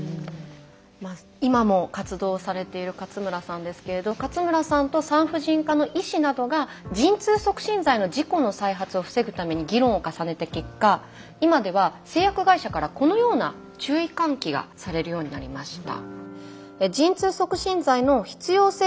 今も活動されている勝村さんですけれど勝村さんと産婦人科の医師などが陣痛促進剤の事故の再発を防ぐために議論を重ねた結果今では製薬会社からこのような注意喚起がされるようになりました。